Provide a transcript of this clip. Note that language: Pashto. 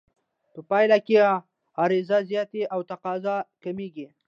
په پایله کې عرضه زیاته او تقاضا کمېږي